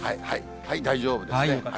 大丈夫ですね。